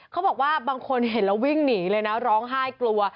เขาบอกว่าบางคนเห็นแล้ววิ่งหนีเลยนะร้องไห้กลัว